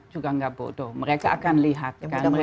juga nggak bodoh mereka akan lihat